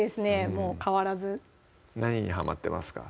もう変わらず何にはまってますか？